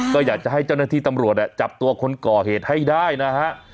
ก็อยากจะให้เจ้าหน้าที่ตำรวจจับตัวคนก่อเหตุให้ได้นะฮะ